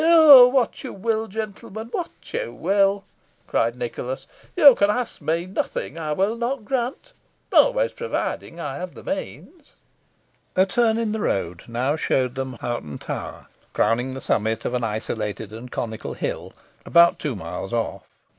"Oh! what you will, gentlemen, what you will!" cried Nicholas; "you can ask me nothing I will not grant always provided I have the means." A turn in the road now showed them Hoghton Tower, crowning the summit of an isolated and conical hill, about two miles off.